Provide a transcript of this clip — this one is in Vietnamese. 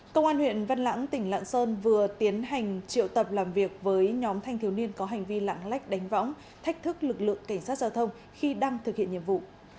công an huyện văn lãng tỉnh lạng sơn vừa tiến hành triệu tập làm việc với nhóm thanh thiếu niên có hành vi lãng lách đánh võng thách thức lực lượng cảnh sát giao thông khi đang thực hiện nhiệm vụ